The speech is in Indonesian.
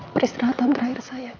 peristirahatan terakhir saya ki